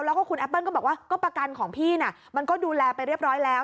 แล้วก็คุณแอปเปิ้ลก็บอกว่าก็ประกันของพี่น่ะมันก็ดูแลไปเรียบร้อยแล้ว